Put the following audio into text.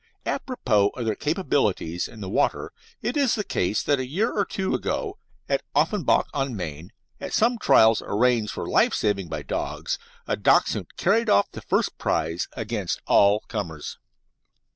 Apropos of their capabilities in the water it is the case that a year or two ago, at Offenbach on Main, at some trials arranged for life saving by dogs, a Dachshund carried off the first prize against all comers.